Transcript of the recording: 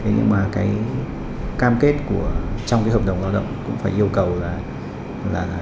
nhưng mà cam kết trong hợp đồng lao động cũng phải yêu cầu là